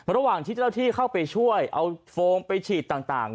ระหว่างที่เจ้าที่เข้าไปช่วยเอาโฟมไปฉีดต่าง